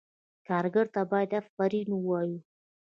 کارګر ته باید آفرین ووایو.